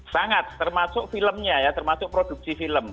sangat termasuk filmnya ya termasuk produksi film